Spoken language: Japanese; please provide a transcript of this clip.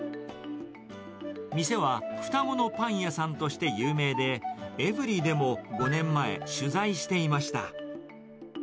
店は双子のパン屋さんとして有名で、エブリィでも５年前、取材していました。